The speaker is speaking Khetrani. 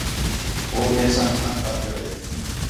ہو میساں گھݨاں کاوِڑ ہے